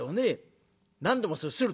何でもする。